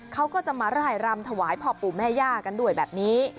เขาก็จะมาร่ายรำถวายพ่อปู่แม่ย่ากันด้วยแบบนี้